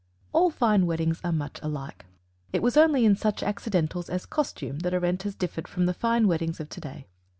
All fine weddings are much alike. It was only in such accidentals as costume that Arenta's differed from the fine weddings of to day.